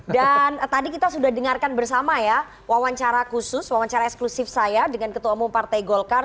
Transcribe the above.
dan tadi kita sudah dengarkan bersama ya wawancara khusus wawancara eksklusif saya dengan ketua umum partai golkar